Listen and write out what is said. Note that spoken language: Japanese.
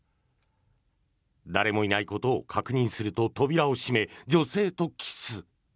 誰もいないことを確認すると扉を閉め女性とキス。